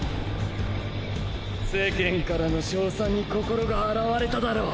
世間からの賞賛に心が洗われただろう！？